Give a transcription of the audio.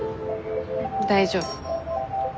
大丈夫。